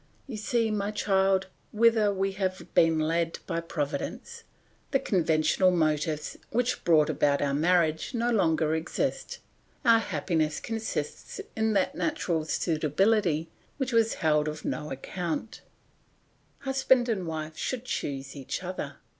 You see, my child, whither we have been led by Providence; the conventional motives which brought about our marriage no longer exist, our happiness consists in that natural suitability which was held of no account. "Husband and wife should choose each other.